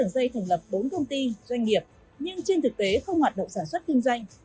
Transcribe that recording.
xây thường lập bốn công ty doanh nghiệp nhưng trên thực tế không hoạt động sản xuất kinh doanh